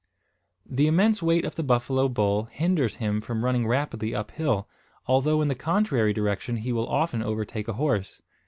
The immense weight of the buffalo bull hinders him from running rapidly up hill, although in the contrary direction he will often overtake a horse.